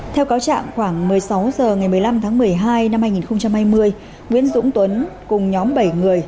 theo cáo trạng khoảng một mươi sáu h ngày một mươi năm tháng một mươi hai năm hai nghìn hai mươi nguyễn dũng tuấn cùng nhóm bảy người